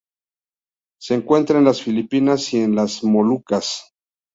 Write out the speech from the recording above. Se encuentran en las Filipinas y en las Molucas.